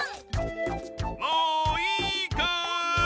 もういいかい？